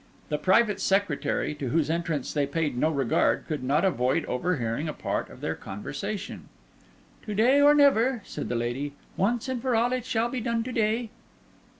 The private secretary, to whose entrance they paid no regard, could not avoid overhearing a part of their conversation. "To day or never," said the lady. "Once and for all, it shall be done to day."